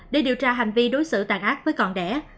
để điều tra hành vi đối xử tàn ác với con đẻ